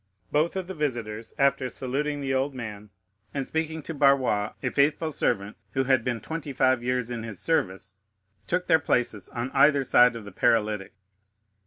Both of the visitors, after saluting the old man and speaking to Barrois, a faithful servant, who had been twenty five years in his service, took their places on either side of the paralytic.